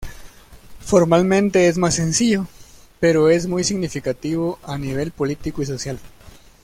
Formalmente es más sencillo, pero es muy significativo a nivel político y social.